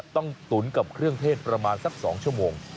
ตุ๋นกับเครื่องเทศประมาณสัก๒ชั่วโมง